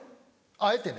あえてね。